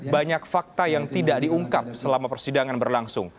banyak fakta yang tidak diungkap selama persidangan berlangsung